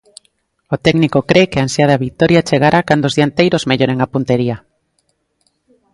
O técnico cre que a ansiada vitoria chegará cando os dianteiros melloren a puntería.